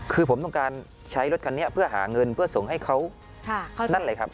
คือผมต้องการใช้รถคันนี้เพื่อหาเงินเพื่อส่งให้เขานั่นแหละครับ